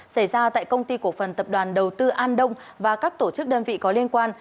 xảy ra tại công ty cổ phần tập đoàn đầu tư an đông và các tổ chức đơn vị có liên quan